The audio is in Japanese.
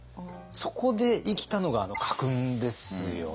そこで生きたのがあの家訓ですよね。